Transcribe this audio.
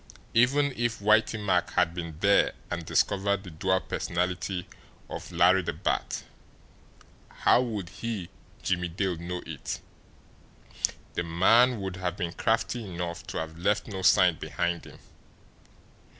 Even if Whitey Mack had been there and discovered the dual personality of Larry the Bat, how would he, Jimmie Dale, know it? The man would have been crafty enough to have left no sign behind him.